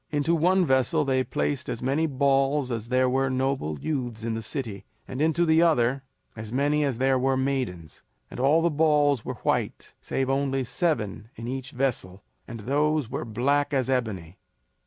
Into one vessel they placed as many balls as there were noble youths in the city, and into the other as many as there were maidens; and all the balls were white save only seven in each vessel, and those were black as ebony.